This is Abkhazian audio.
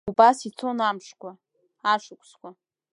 Убас ицон амшқәа, ашықәсқәа.